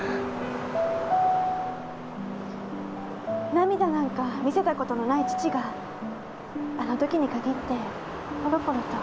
涙なんか見せたことのない父があのときに限ってぽろぽろと。